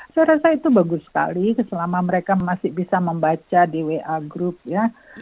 saya rasa itu bagus sekali selama mereka masih bisa membaca di wa group ya